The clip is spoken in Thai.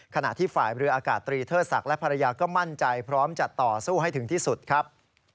ขณะที่ฝ่ายเรืออากาศตรีเทิดศักดิ์และภรรยาก็มั่นใจพร้อมจะต่อสู้ให้ถึงที่สุดครับ